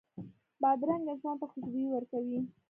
بادرنګ انسان ته خوشبويي ورکوي.